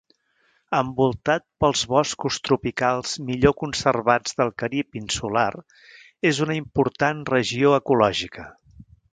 Envoltat pels boscos tropicals millor conservats del Carib insular, és una important regió ecològica.